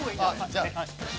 じゃあ。